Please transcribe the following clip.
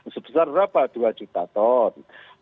sebesar berapa dua juta ton